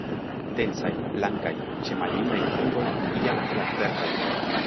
Densaj, blankaj, ĉe maljunaj fungoj iom flav-verdaj.